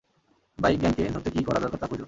Bike গ্যাংকে ধরতে কী করা দরকার তা খুঁজ।